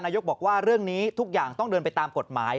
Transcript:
บอกว่าเรื่องนี้ทุกอย่างต้องเดินไปตามกฎหมาย